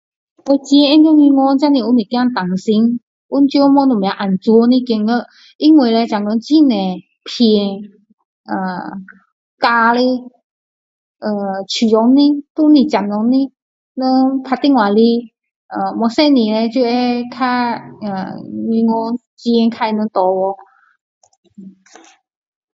我钱放在银行是有一点担心完全没有安全的感觉因为叻很多骗呃假的呃冒牌的还不是正牌的打电话来不小心叻银行钱就是给他们拿掉